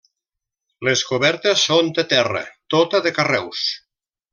Les cobertes són de terra, tota de carreus.